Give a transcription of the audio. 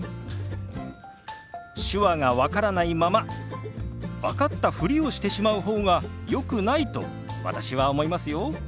手話が分からないまま分かったふりをしてしまう方がよくないと私は思いますよ。